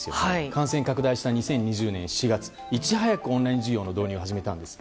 感染拡大した２０２０年４月いち早くオンライン授業の導入を始めたんです。